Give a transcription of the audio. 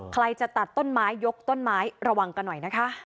ใครจะตัดต้นไม้ยกต้นไม้ระวังกันหน่อยนะคะ